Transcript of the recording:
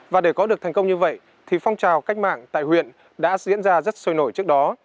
và để có được thành công như vậy thì phong trào cách mạng tại huyện đã diễn ra rất sôi nổi trước đó